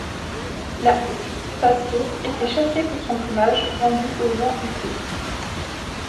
La huppe fasciée était chassée pour son plumage vendu aux gens huppés.